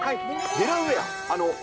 デラウェア。